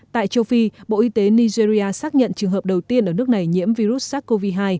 tại châu phi bộ y tế nigeria xác nhận trường hợp đầu tiên ở nước này nhiễm virus sars cov hai